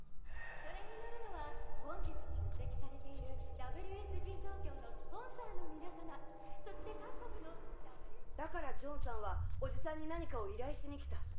それに乗るのは本日出席されているＷＳＧ東京のスポンサーの皆様そして各国のだからジョンさんはおじさんに何かを依頼しに来た。